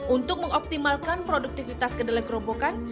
untuk mengoptimalkan produktivitas kedelai kerobokan